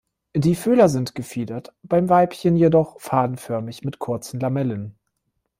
Die Fühler sind gefiedert, beim Weibchen jedoch fadenförmig mit kurzen Lamellen.